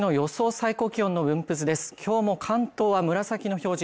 最高気温の分布図です今日も関東は紫の表示